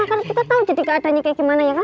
karena kita tau jadi keadanya kayak gimana ya kan